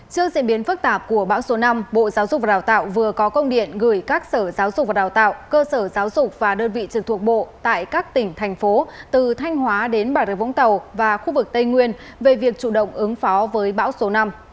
trước diễn biến phức tạp của bão số năm bộ giáo dục và đào tạo vừa có công điện gửi các sở giáo dục và đào tạo cơ sở giáo dục và đơn vị trực thuộc bộ tại các tỉnh thành phố từ thanh hóa đến bà rê vũng tàu và khu vực tây nguyên về việc chủ động ứng phó với bão số năm